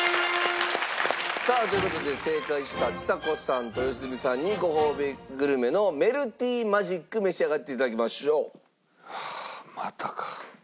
さあという事で正解したちさ子さんと良純さんにごほうびグルメのＭＥＬＴＹＭＡＧＩＣ召し上がっていただきましょう。